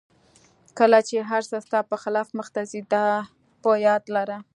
کله چې هر څه ستا په خلاف مخته ځي دا په یاد لره.